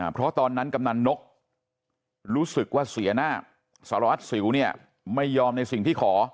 เพราะตอนนั้นกำนันนกรู้สึกว่าเสียหน้าสารวัตรสิวเนี่ยไม่ยอมในสิ่งที่ขอ